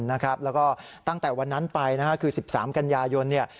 นะครับแล้วก็ตั้งแต่วันนั้นไปนะฮะคือสิบสามกัญญายนเนี้ย